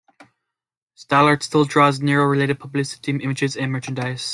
Stallaert still draws "Nero"-related publicity images and merchandise.